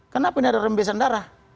kenapa ini ada rembesan darah